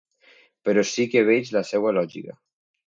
Però sí que veig la seva lògica.